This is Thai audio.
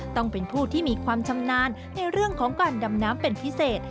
ต้องเป็นผู้ที่มีความชำนาญในเรื่องของการดำน้ำเป็นพิเศษ